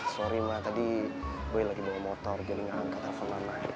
sorry ma tadi boy lagi bawa motor jadi gak angkat telepon mama